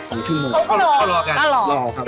สองชั่วโมงกันกลับรอกลับรอหรือหรือก็รอ